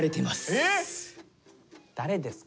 誰ですか？